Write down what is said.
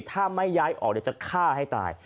ถ้าไม่ย้ายออกเดี๋ยวจะฆ่าให้ตาย